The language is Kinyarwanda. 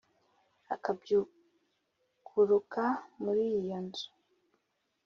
akabyukuruka mur íiyo nzu